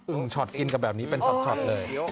อึงชอตกินกับแบบนี้เป็นท็อตเลย